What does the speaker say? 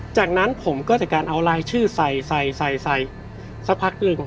จากนั้นผมก็จากการเอาลายชื่อไซสักพักหนึ่ง